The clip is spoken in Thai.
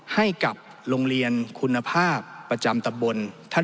ให้กับโรงเรียนคุณภาพประจำตำบล